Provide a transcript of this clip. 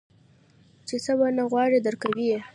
چې سه ورنه وغواړې درکوي يې.